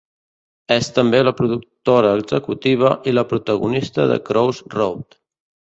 És també la productora executiva i la protagonista de "Crossroad".